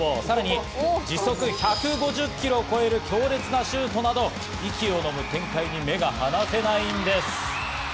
さらに時速１５０キロを超える強烈なシュートなど、息をのむ展開に目が離せないんです。